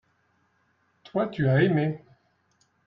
toi tu as aimé.